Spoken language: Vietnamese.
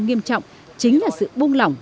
nghiêm trọng chính là sự buông lỏng